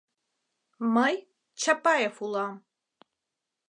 Мый — Чапаев улам!